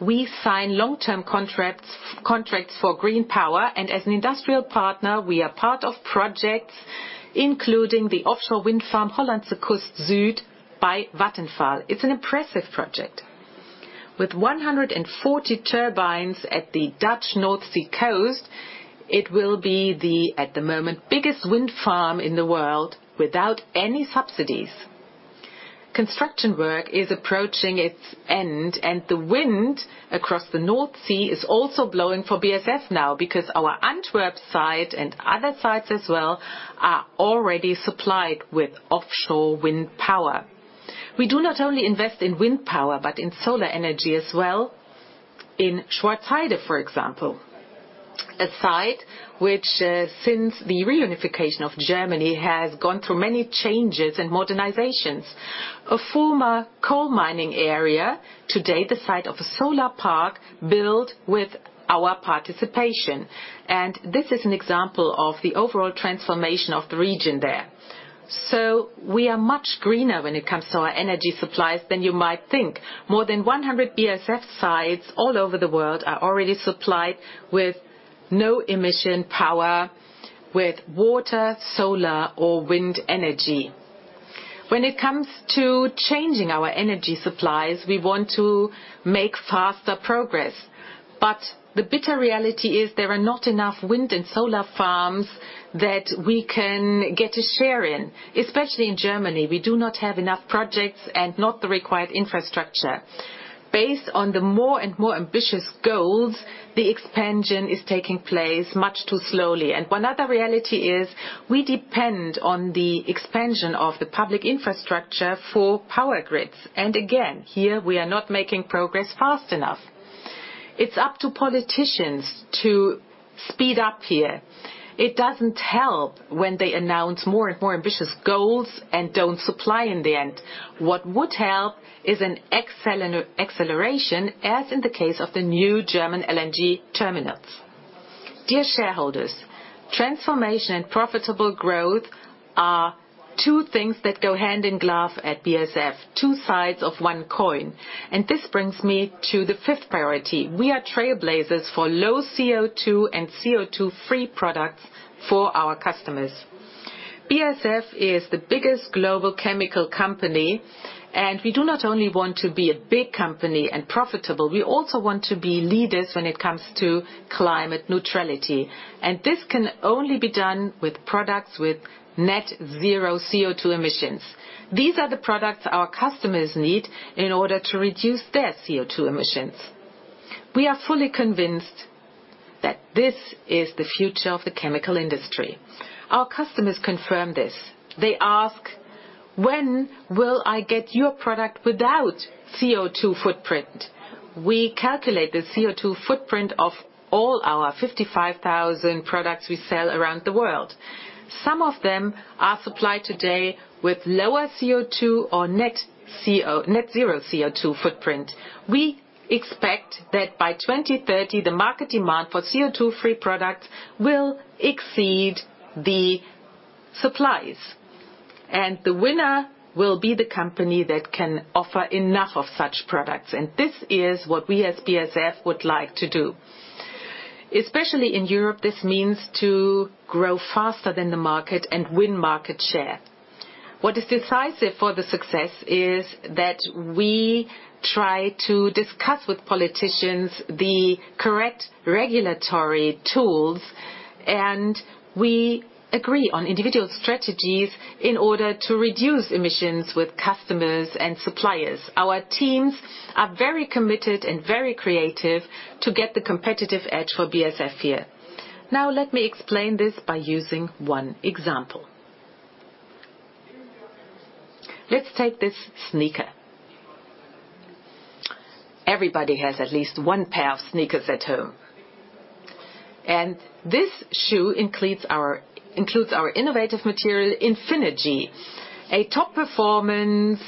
We sign long-term contracts for green power, and as an industrial partner, we are part of projects, including the offshore wind farm Hollandse Kust Zuid by Vattenfall. It's an impressive project. With 140 turbines at the Dutch North Sea coast, it will be the, at the moment, biggest wind farm in the world without any subsidies. Construction work is approaching its end, and the wind across the North Sea is also blowing for BASF now because our Antwerp site and other sites as well are already supplied with offshore wind power. We do not only invest in wind power, but in solar energy as well. In Schwarzheide, for example, a site which, since the reunification of Germany has gone through many changes and modernizations. A former coal mining area, today, the site of a solar park built with our participation. This is an example of the overall transformation of the region there. We are much greener when it comes to our energy supplies than you might think. More than 100 BASF sites all over the world are already supplied with no emission power, with water, solar, or wind energy. When it comes to changing our energy supplies, we want to make faster progress. The bitter reality is there are not enough wind and solar farms that we can get a share in. Especially in Germany, we do not have enough projects and not the required infrastructure. Based on the more and more ambitious goals, the expansion is taking place much too slowly. One other reality is we depend on the expansion of the public infrastructure for power grids. Again, here we are not making progress fast enough. It's up to politicians to speed up here. It doesn't help when they announce more and more ambitious goals and don't supply in the end. What would help is an acceleration, as in the case of the new German LNG terminals. Dear shareholders, transformation and profitable growth are two things that go hand in glove at BASF, two sides of one coin. This brings me to the fifth priority. We are trailblazers for low CO2 and CO2-free products for our customers. BASF is the biggest global chemical company, and we do not only want to be a big company and profitable, we also want to be leaders when it comes to climate neutrality. This can only be done with products with net zero CO2 emissions. These are the products our customers need in order to reduce their CO2 emissions. We are fully convinced that this is the future of the chemical industry. Our customers confirm this. They ask, "When will I get your product without CO2 footprint?" We calculate the CO2 footprint of all our 55,000 products we sell around the world. Some of them are supplied today with lower CO2 or net zero CO2 footprint. We expect that by 2030, the market demand for CO2-free products will exceed the supplies. The winner will be the company that can offer enough of such products. This is what we as BASF would like to do. Especially in Europe, this means to grow faster than the market and win market share. What is decisive for the success is that we try to discuss with politicians the correct regulatory tools, and we agree on individual strategies in order to reduce emissions with customers and suppliers. Our teams are very committed and very creative to get the competitive edge for BASF here. Now, let me explain this by using one example. Let's take this sneaker. Everybody has at least one pair of sneakers at home. This shoe includes our innovative material, Infinergy, a top performance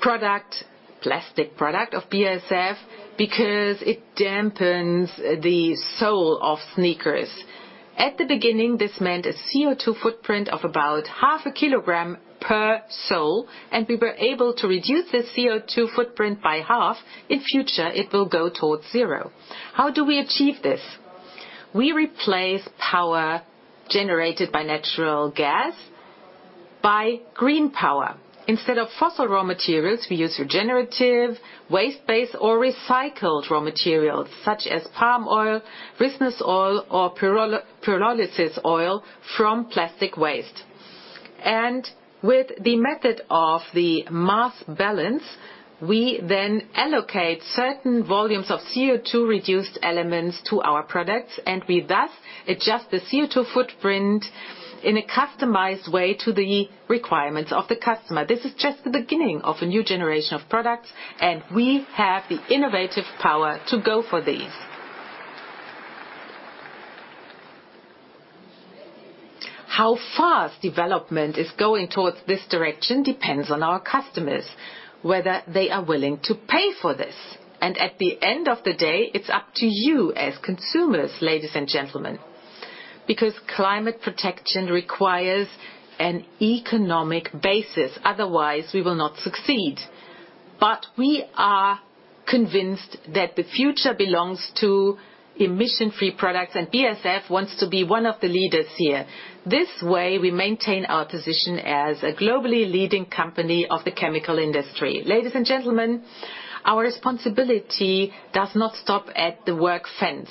product, plastic product of BASF because it dampens the sole of sneakers. At the beginning, this meant a CO2 footprint of about half a kilogram per sole. We were able to reduce the CO2 footprint by half. In future, it will go towards zero. How do we achieve this? We replace power generated by natural gas by green power. Instead of fossil raw materials, we use regenerative waste-based or recycled raw materials such as palm oil, business oil, or pyrolysis oil from plastic waste. With the method of the mass balance, we then allocate certain volumes of CO2-reduced elements to our products, and we, thus, adjust the CO2 footprint in a customized way to the requirements of the customer. This is just the beginning of a new generation of products, and we have the innovative power to go for these. How fast development is going towards this direction depends on our customers, whether they are willing to pay for this. At the end of the day, it's up to you as consumers, ladies and gentlemen, because climate protection requires an economic basis, otherwise we will not succeed. We are convinced that the future belongs to emission-free products, and BASF wants to be one of the leaders here. This way, we maintain our position as a globally leading company of the chemical industry. Ladies and gentlemen, our responsibility does not stop at the work fence.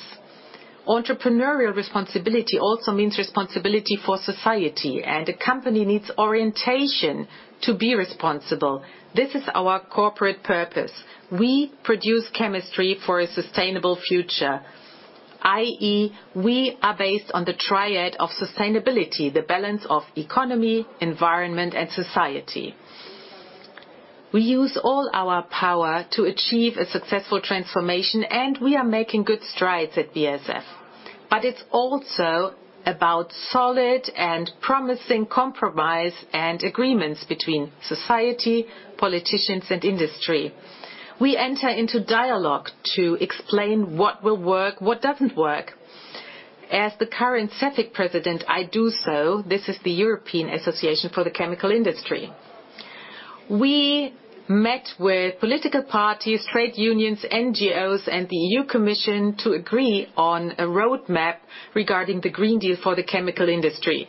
Entrepreneurial responsibility also means responsibility for society, and a company needs orientation to be responsible. This is our corporate purpose. We produce chemistry for a sustainable future, i.e., we are based on the triad of sustainability, the balance of economy, environment, and society. We use all our power to achieve a successful transformation. We are making good strides at BASF. It's also about solid and promising compromise and agreements between society, politicians, and industry. We enter into dialogue to explain what will work, what doesn't work. As the current Cefic president, I do so. This is the European Association for the Chemical Industry. We met with political parties, trade unions, NGOs, and the E.U. Commission to agree on a roadmap regarding the Green Deal for the chemical industry.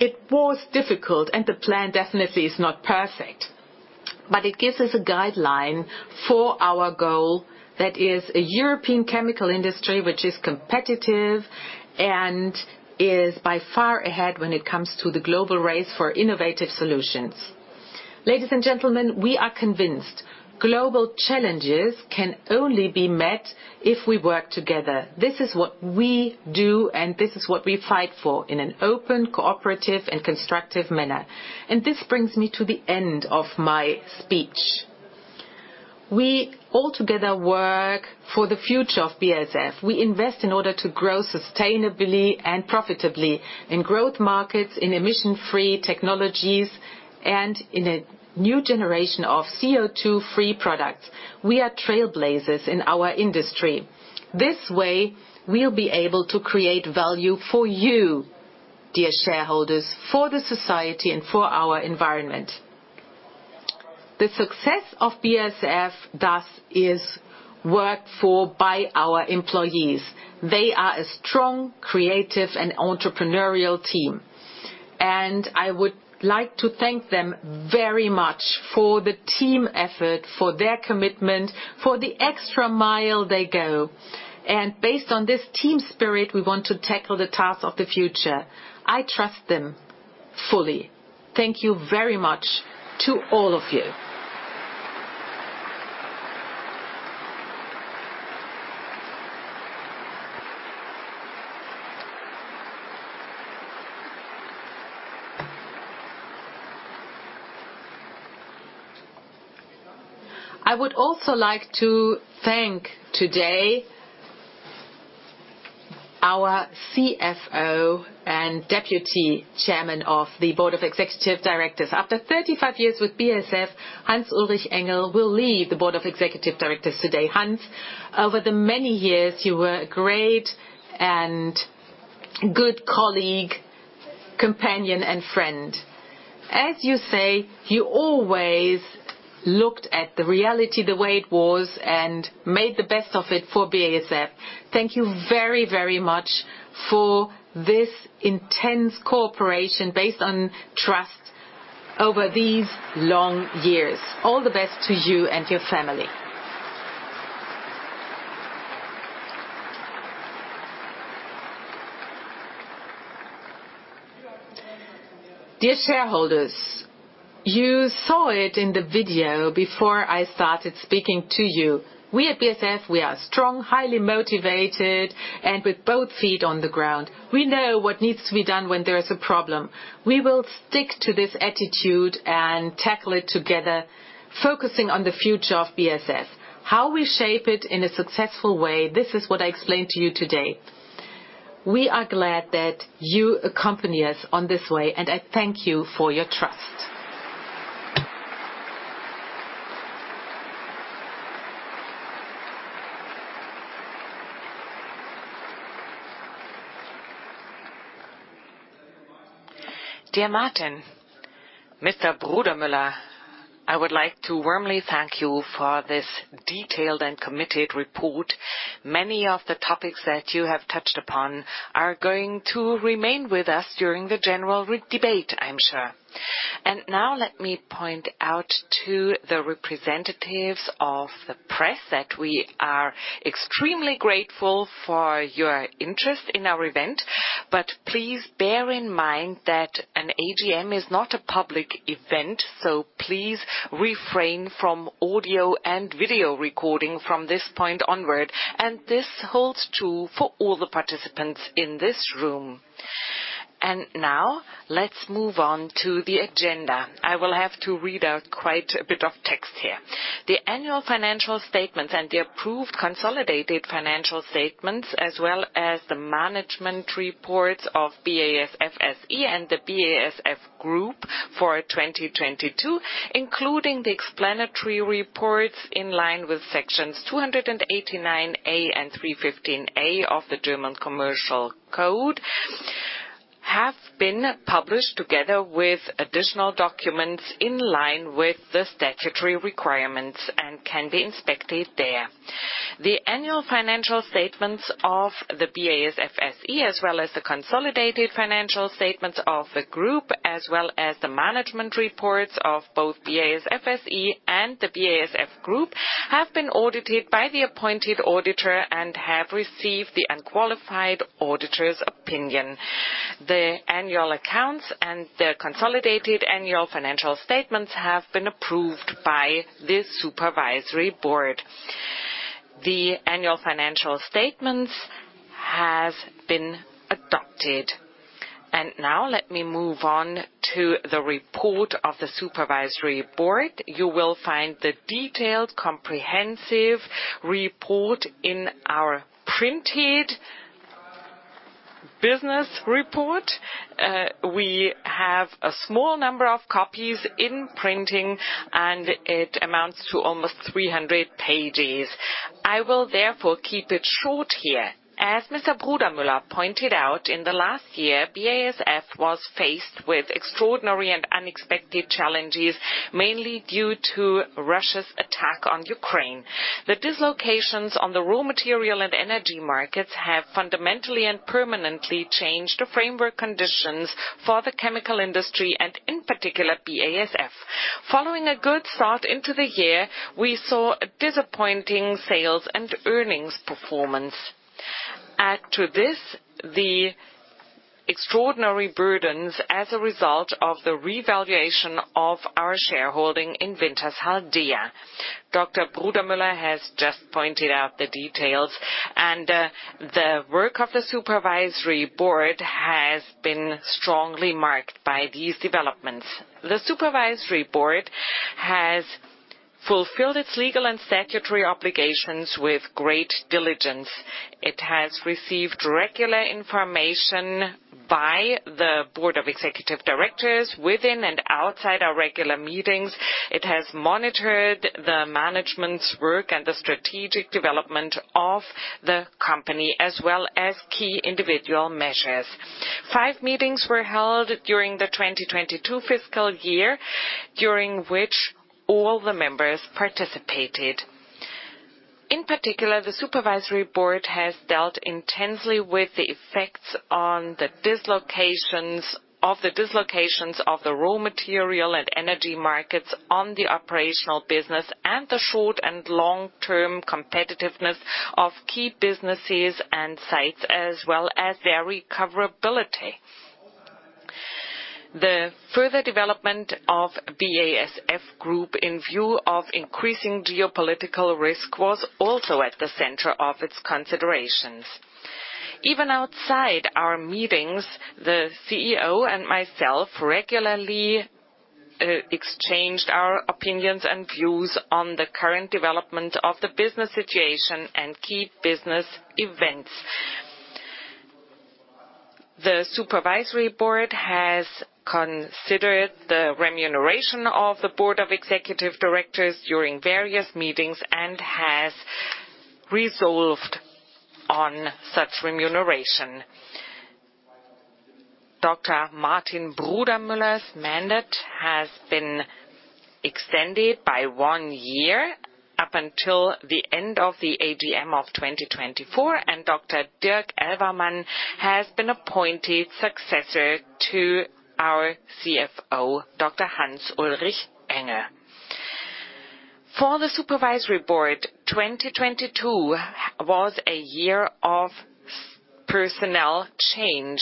It was difficult, and the plan definitely is not perfect, but it gives us a guideline for our goal, that is a European chemical industry which is competitive and is by far ahead when it comes to the global race for innovative solutions. Ladies and gentlemen, we are convinced global challenges can only be met if we work together. This is what we do, and this is what we fight for in an open, cooperative, and constructive manner. This brings me to the end of my speech. We all together work for the future of BASF. We invest in order to grow sustainably and profitably in growth markets, in emission-free technologies, and in a new generation of CO2-free products. We are trailblazers in our industry. This way, we'll be able to create value for you, dear shareholders, for the society, and for our environment. The success of BASF, thus, is worked for by our employees. They are a strong, creative, and entrepreneurial team. I would like to thank them very much for the team effort, for their commitment, for the extra mile they go. Based on this team spirit, we want to tackle the task of the future. I trust them fully. Thank you very much to all of you. I would also like to thank today our CFO and Deputy Chairman of the Board of Executive Directors. After 35 years with BASF, Hans-Ulrich Engel will leave the Board of Executive Directors today. Hans, over the many years, you were a great and good colleague. Companion and friend. As you say, you always looked at the reality the way it was and made the best of it for BASF. Thank you very, very much for this intense cooperation based on trust over these long years. All the best to you and your family. Dear shareholders, you saw it in the video before I started speaking to you. We at BASF, we are strong, highly motivated, and with both feet on the ground. We know what needs to be done when there is a problem. We will stick to this attitude and tackle it together, focusing on the future of BASF. How we shape it in a successful way, this is what I explained to you today. We are glad that you accompany us on this way, and I thank you for your trust. Dear Martin, Mr. Martin Brudermüller, I would like to warmly thank you for this detailed and committed report. Many of the topics that you have touched upon are going to remain with us during the general debate, I'm sure. Now let me point out to the representatives of the press that we are extremely grateful for your interest in our event. Please bear in mind that an AGM is not a public event, so please refrain from audio and video recording from this point onward. This holds, too, for all the participants in this room. Now let's move on to the agenda. I will have to read out quite a bit of text here. The annual financial statements and the approved consolidated financial statements, as well as the management reports of BASF SE and the BASF Group for 2022, including the explanatory reports in line with sections 289 A and 315 A of the German Commercial Code, have been published together with additional documents in line with the statutory requirements and can be inspected there. The annual financial statements of the BASF SE, as well as the consolidated financial statements of the group, as well as the management reports of both BASF SE and the BASF Group, have been audited by the appointed auditor and have received the unqualified auditor's opinion. The annual accounts and the consolidated annual financial statements have been approved by the Supervisory Board. The annual financial statements have been adopted. Now let me move on to the report of the Supervisory Board. You will find the detailed comprehensive report in our printed business report. We have a small number of copies in printing. It amounts to almost 300 pages. I will therefore keep it short here. As Mr. Martin Brudermüller pointed out, in the last year, BASF was faced with extraordinary and unexpected challenges, mainly due to Russia's attack on Ukraine. The dislocations on the raw material and energy markets have fundamentally and permanently changed the framework conditions for the chemical industry and in particular BASF. Following a good start into the year, we saw a disappointing sales and earnings performance. Add to this the extraordinary burdens as a result of the revaluation of our shareholding in Wintershall Dea. Dr. Brudermüller has just pointed out the details. The work of the Supervisory Board has been strongly marked by these developments. The Supervisory Board has fulfilled its legal and statutory obligations with great diligence. It has received regular information by the Board of Executive Directors within and outside our regular meetings. It has monitored the management's work and the strategic development of the company, as well as key individual measures. Five meetings were held during the 2022 fiscal year, during which all the members participated. In particular, the Supervisory Board has dealt intensely with the effects of the dislocations of the raw material and energy markets on the operational business and the short and long-term competitiveness of key businesses and sites, as well as their recoverability. The further development of BASF Group in view of increasing geopolitical risk was also at the center of its considerations. Even outside our meetings, the CEO and myself regularly exchanged our opinions and views on the current development of the business situation and key business events. The Supervisory Board has considered the remuneration of the Board of Executive Directors during various meetings and has resolved on such remuneration. Dr. Martin Brudermüller's mandate has been extended by one year up until the end of the AGM of 2024, and Dr. Dirk Elvermann has been appointed successor to our CFO, Dr. Hans-Ulrich Engel. For the Supervisory Board, 2022 was a year of personnel change.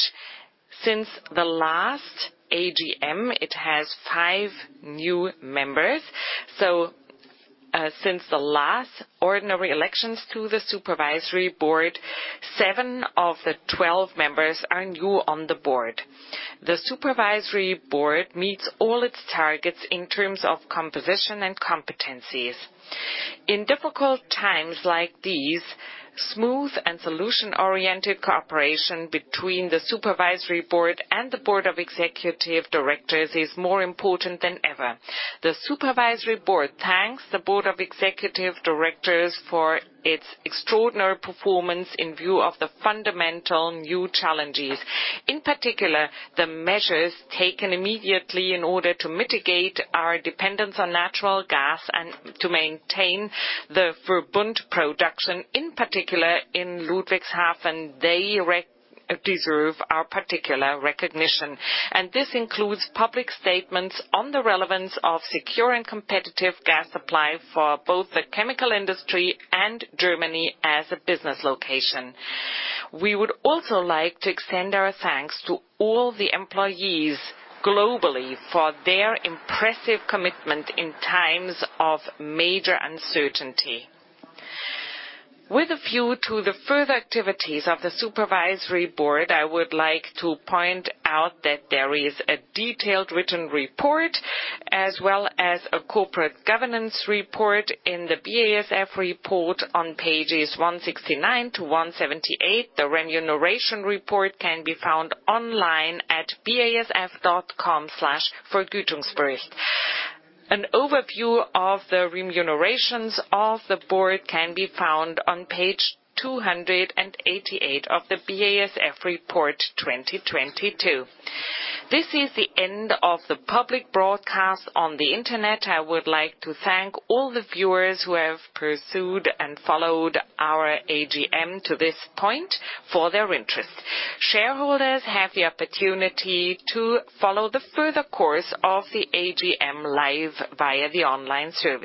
Since the last AGM, it has five new members. Since the last ordinary elections to the Supervisory Board, seven of the 12 members are new on the board. The Supervisory Board meets all its targets in terms of composition and competencies. In difficult times like these, smooth and solution-oriented cooperation between the Supervisory Board and the Board of Executive Directors is more important than ever. The Supervisory Board thanks the Board of Executive Directors for its extraordinary performance in view of the fundamental new challenges. In particular, the measures taken immediately in order to mitigate our dependence on natural gas and to maintain the Verbund production, in particular in Ludwigshafen, deserve our particular recognition. This includes public statements on the relevance of secure and competitive gas supply for both the chemical industry and Germany as a business location. We would also like to extend our thanks to all the employees globally for their impressive commitment in times of major uncertainty. With a view to the further activities of the Supervisory Board, I would like to point out that there is a detailed written report as well as a corporate governance report in the BASF report on pages 169 to 178. The remuneration report can be found online at basf.com/vergütungsbericht.An overview of the remunerations of the board can be found on page 288 of the BASF report 2022. This is the end of the public broadcast on the Internet. I would like to thank all the viewers who have pursued and followed our AGM to this point for their interest. Shareholders have the opportunity to follow the further course of the AGM live via the online service.